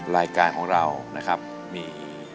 รายการของเรานะครับมี